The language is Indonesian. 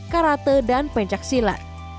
karate dan pencak silat